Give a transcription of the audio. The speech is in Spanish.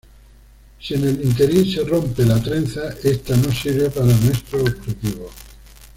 Si en el ínterin se rompe la trenza, esta no sirve para nuestro objetivo.